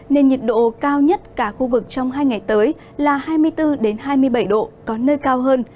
nên nhiệt độ cao nhất cả khu vực trong hai ngày tới là hai mươi bốn hai mươi bảy độ có nơi cao hơn